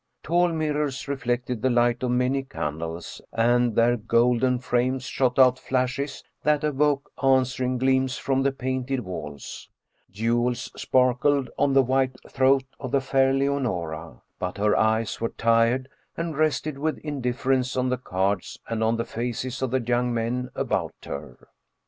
Tall mirrors reflected the light of many candles, and their golden frames 75 German Mystery Stories shot out flashes that awoke answering gleams from the painted walls. Jewels sparkled on the white throat of the fair Leonora, but her eyes were tired and rested with in difference on the cards and on the faces of the young men about her.